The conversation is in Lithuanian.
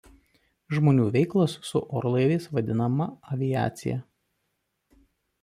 Žmonių veiklos su orlaiviais vadinama aviacija.